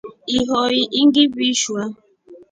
Ihoi ingivishwa.